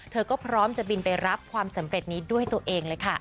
เธอก็พร้อมจะบินไปรับความสำเร็จนี้ด้วยตัวเองเลยค่ะ